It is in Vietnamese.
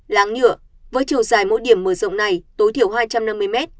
láng nhựa với chiều dài mỗi điểm mở rộng này tối thiểu hai trăm năm mươi m